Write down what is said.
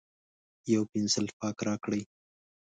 یو پینسیلپاک راکړئ